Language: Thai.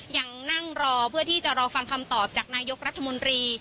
ยังนั่งรอเพื่อที่จะรอฟังคำตอบจากนายกรัฐมนตรี